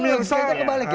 oh justru jadi kebalik ya